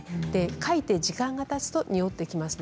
かいて時間がたつとにおってきます。